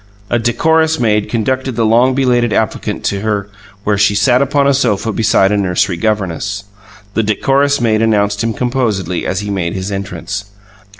A decorous maid conducted the long belated applicant to her where she sat upon a sofa beside a nursery governess. The decorous maid announced him composedly as he made his entrance.